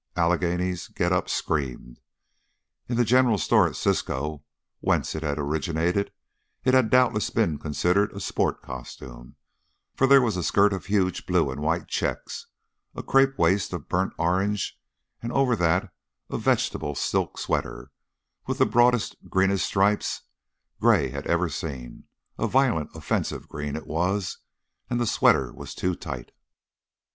Allegheny's get up screamed. In the general store at Cisco, whence it had originated, it had doubtless been considered a sport costume, for there was a skirt of huge blue and white checks, a crepe waist of burnt orange, and over that a vegetable silk sweater, with the broadest, greenest stripes Gray had ever seen. A violent, offensive green, it was; and the sweater was too tight.